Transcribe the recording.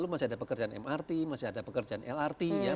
masih ada pekerjaan mrt masih ada pekerjaan lrt ya